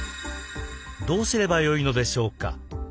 どうすればよいのでしょうか？